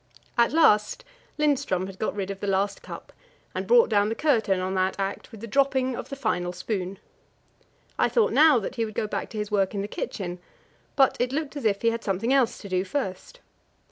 At last Lindström had got rid of the last cup, and brought down the curtain on that act with the dropping of the final spoon. I thought now that he would go back to his work in the kitchen; but it looked as if he had something else to do first.